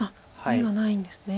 眼がないんですね。